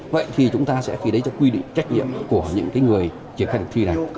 vậy thì chúng ta sẽ phải lấy cho quy định trách nhiệm của những người triển khai thực thi này